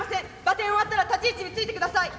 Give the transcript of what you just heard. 場転終わったら立ち位置に着いてください。